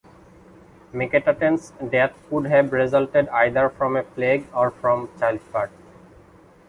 Meketaten's death could have resulted either from a plague, or from childbirth.